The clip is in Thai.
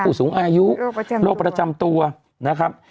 ผู้สูงอายุโรคประจำตัวนะครับ